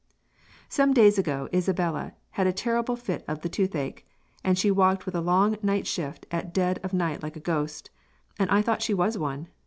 "Some days ago Isabella had a terrible fit of the toothake, and she walked with a long night shift at dead of night like a ghost, and I thought she was one.